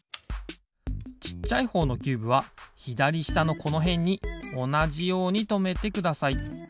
ちっちゃいほうのキューブはひだりしたのこのへんにおなじようにとめてください。